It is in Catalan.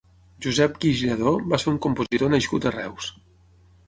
Josep Guix Lladó va ser un compositor nascut a Reus.